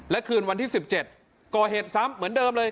และคืนวันที่๑๗ก่อเหตุซ้ำเหมือนเดิมเลย